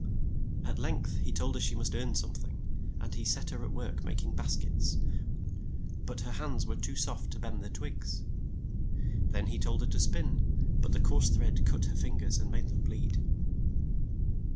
At length he told her she must earn some thing, and he set her at work mak ing bas kets, but her hands were too soft to bend the hard twigs. Then he told her to spin, but the coarse thread cut her fin gers and made them bleed.